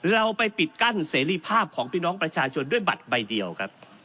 เราไปปิดกั้นเสรีภาพของพี่น้องประชาชนด้วยบัตรใบเดียวครับ